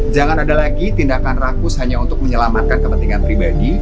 jangan ada lagi tindakan rakus hanya untuk menyelamatkan kepentingan pribadi